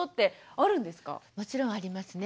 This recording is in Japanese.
もちろんありますね。